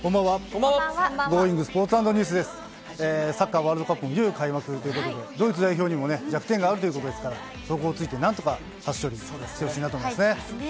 サッカーワールドカップもいよいよ開幕ということで、ドイツ代表にもね、弱点があるということですから、そこをついてなんとか初勝利してほしいなと思いますね。